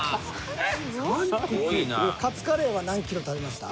カツカレーは何ｋｇ食べました？